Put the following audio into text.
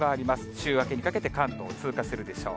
週明けにかけて関東を通過するでしょう。